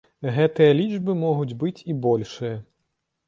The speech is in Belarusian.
Гэтыя лічбы могуць быць і большыя.